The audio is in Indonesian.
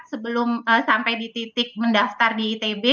sebelum sampai di titik mendaftar di itb